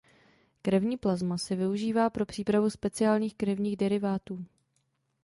Krevní plazma se využívá pro přípravu speciálních krevních derivátů.